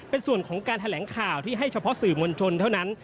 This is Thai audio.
เป็นส่วนของการแถลงข่าวที่ให้เฉพาะสื่อมวลชนเท่านั้น